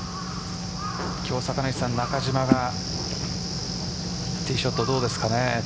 今日、中島はティーショット、どうですかね。